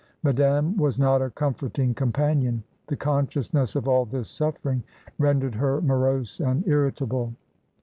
Madame was not a comforting companion, the consciousness of all this suffering rendered her morose and irritable.